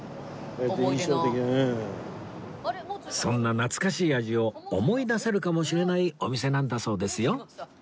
そんな懐かしい味を思い出せるかもしれないお店なんだそうですよ